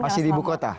masih di ibu kota